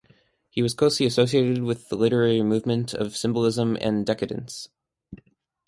He was closely associated with the literary movement of Symbolism and Decadence.